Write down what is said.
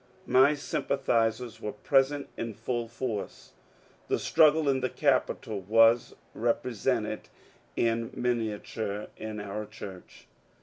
My sympathizers were present in full force. The struggle in the Capitol was represented in minia ture in our church.